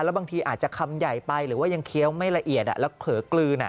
แล้วบางทีอาจจะคำใหญ่ไปหรือว่ายังเคี้ยวไม่ละเอียดแล้วเผลอกลืน